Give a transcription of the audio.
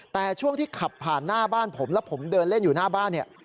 แต่ช่วงที่ขับผ่านหน้าบ้านผมแล้วผมเดินเล่นอยู่หน้าบ้านเนี่ย